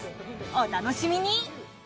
お楽しみに！